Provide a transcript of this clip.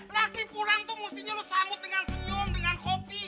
laki pulang tuh mestinya lu sambut dengan senyum dengan hobi